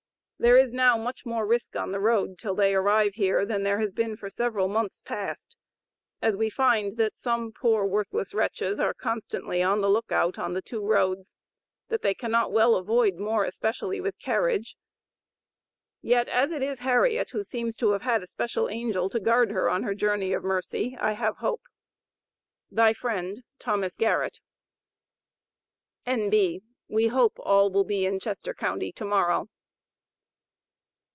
There is now much more risk on the road, till they arrive here, than there has been for several months past, as we find that some poor, worthless wretches are constantly on the look out on two roads, that they cannot well avoid more especially with carriage, yet, as it is Harriet who seems to have had a special angel to guard her on her journey of mercy, I have hope. Thy Friend, THOMAS GARRETT. N.B. We hope all will be in Chester county to morrow.